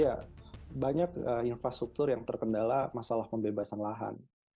ya banyak infrastruktur yang terkendala masalah pembebasan lahan